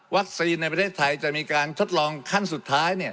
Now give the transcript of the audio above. ในประเทศไทยจะมีการทดลองขั้นสุดท้าย